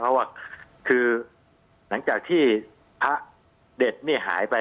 เพราะว่าคือหลังจากที่พระเด็ดหายไป